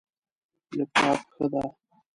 لپټاپ، ښه ده